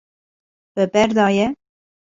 We berdaye.